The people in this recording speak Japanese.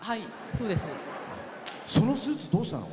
そのスーツどうしたの？